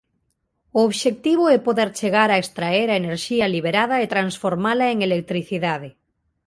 O obxectivo é poder chegar a extraer a enerxía liberada e transformala en electricidade.